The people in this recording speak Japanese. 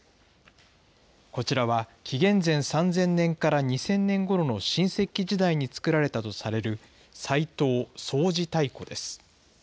こちらは、紀元前３０００年から２０００年ごろの新石器時代に作られたとされる、彩陶双耳大壺です。